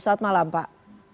selamat malam pak